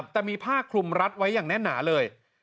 แต่มีผ้าคลุมรัดไว้อย่างแน่นหนาเลย